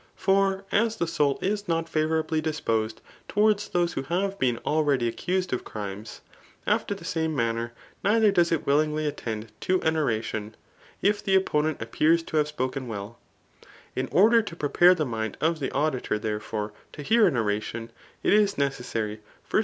For as the soul is not favour^ly disposed towards those who have been already accused of crimm^ after the same manner neither does it willingly attend to aa oration, if the opponent appears to have spoken welL In order to prepare the mind of the auditor, therefore, .to hear an oration, it is necessary first